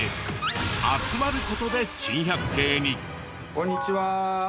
こんにちは。